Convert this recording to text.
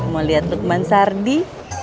mau lihat lukman sardi